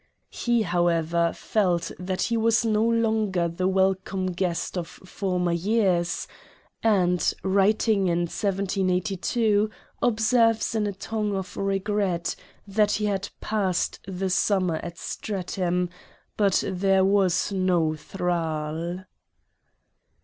He, however, felt that he was no longer the welcome guest of former years; and, writing in 1782, observes in a tone of regret, that he had (< passed the summer at Streatham, but there was no Thrale."